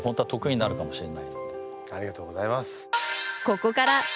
ありがとうございます。